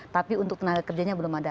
tapi untuk tenaga kerjanya belum ada